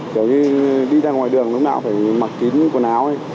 kiểu như đi ra ngoài đường lúc nào phải mặc kín quần áo ấy